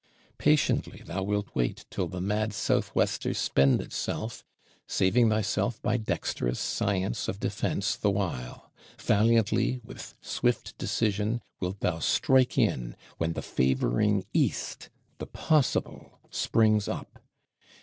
Patiently thou wilt wait till the mad Southwester spend itself, saving thyself by dexterous science of defense, the while: valiantly, with swift decision, wilt thou strike in, when the favoring East, the Possible, springs up.